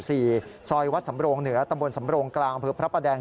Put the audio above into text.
ซอยวัดสำโรงเหนือตำบลสำโรงกลางอำเภอพระประแดง